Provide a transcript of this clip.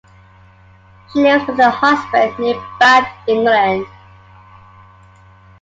She lives with her husband near Bath, England.